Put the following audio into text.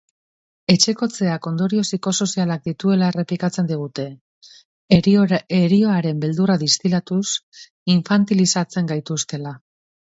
Etxekotzeak ondorio psikosozialak dituela errepikatzen digute, herioaren beldurra distilatuz, infantilizatzen gaituztela.